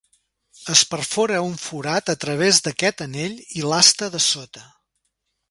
Es perfora un forat a través d"aquest anell i l"asta de sota.